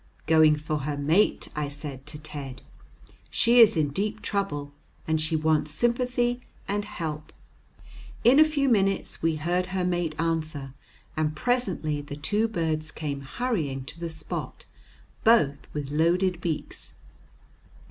"Going for her mate," I said to Ted. "She is in deep trouble, and she wants sympathy and help." In a few minutes we heard her mate answer, and presently the two birds came hurrying to the spot, both with loaded beaks.